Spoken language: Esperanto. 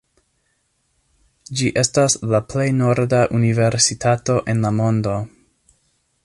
Ĝi estas la plej norda universitato en la mondo.